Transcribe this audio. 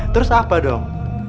terus apa dong